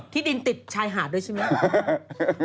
ที่ดินติดชายหาดด้วยใช่ไหม